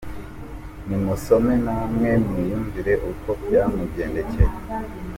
Ni musome namwe mwiyumvire uko byamugendekeye.